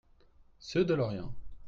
Ceux de Lorient.